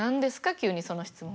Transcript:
急にその質問。